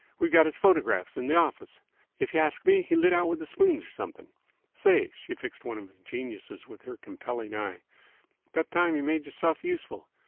We've got h's photographs 'n th' office. If y' ask me, he lit out with the spoons 'r something. Say!" She fixed one of the geniuses with her compelling eye. "'Bout time y' made y'rself useful.